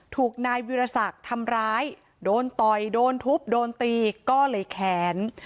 ถูกนายวิรสักทำร้ายโดนต่อยโดนทุบโดนตีก็เลยแค้น